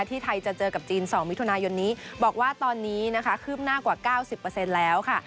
ที่ไทยจะเจอกับจีน๒มิถุนายนนี้บอกว่าตอนนี้นะคะคืบหน้ากว่า๙๐แล้วค่ะ